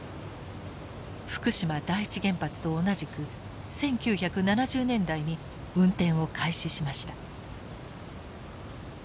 福島第一原発と同じく１９７０年代に運転を開始しました。